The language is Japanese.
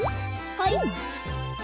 はい。